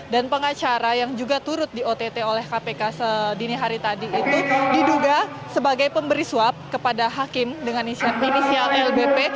dan pengacara yang juga turut di ott oleh kpk sedini hari tadi itu diduga sebagai pemberi suap kepada hakim dengan inisial lbp